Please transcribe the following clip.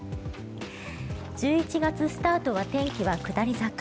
１１月スタートは天気は下り坂。